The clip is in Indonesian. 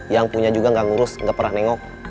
yang punya juga gak ngurus nggak pernah nengok